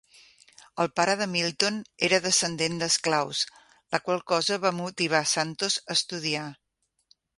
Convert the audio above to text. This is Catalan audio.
El pare de Milton era descendent d'esclaus, la qual cosa va motivar Santos a estudiar.